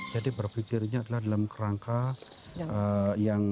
jadi berpikirnya adalah dalam kerangka yang